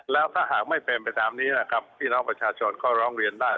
แล้วถ้าหากไม่เป็นไปตามนี้นะครับพี่น้องประชาชนก็ร้องเรียนได้